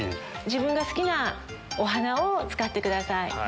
自分が好きなお花を使ってください。